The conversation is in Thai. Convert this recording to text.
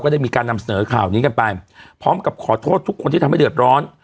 ได้มีการนำเสนอข่าวนี้กันไปพร้อมกับขอโทษทุกคนที่ทำให้เดือดร้อน